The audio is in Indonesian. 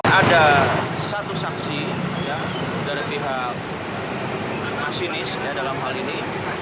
ada satu saksi dari pihak masinis dalam hal ini